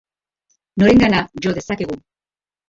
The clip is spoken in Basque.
Norengana jo dezakegu?